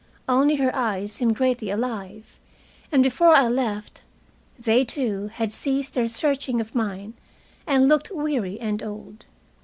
Only her eyes seemed greatly alive, and before I left they, too, had ceased their searching of mine and looked weary and old.